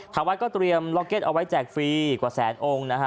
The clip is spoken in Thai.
ทางวัดก็เตรียมล็อกเก็ตเอาไว้แจกฟรีกว่าแสนองค์นะฮะ